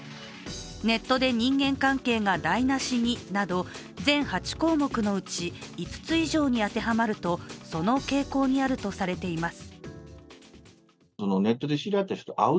ネットで人間関係が台無しになど全８項目のうち５つ以上に当てはまるとその傾向にあるとされています。